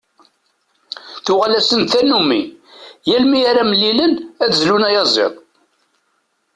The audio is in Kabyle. Tuɣal-asen d tannumi: yal mi ara mlilen ad d-zlun ayaziḍ.